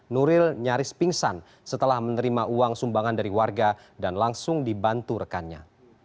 nuril nyaris pingsan setelah menerima uang sumbangan dari warga dan langsung dibantu rekannya